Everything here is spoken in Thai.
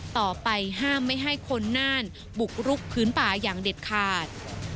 ต่อไปห้ามไม่ให้คนน่านบุกรุกพื้นป่าอย่างเด็ดขาด